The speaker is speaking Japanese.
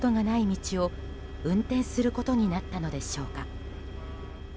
道を運転することになったのでしょうか。